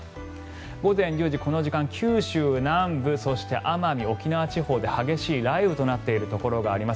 午前１０時、この時間は九州南部そして奄美、沖縄地方で激しい雷雨となっているところがあります。